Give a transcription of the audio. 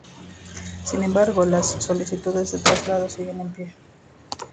Sin embargo, las solicitudes de traslado siguen en pie.